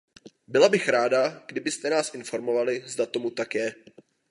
Byla bych ráda, kdybyste nás informovali, zda tomu tak je.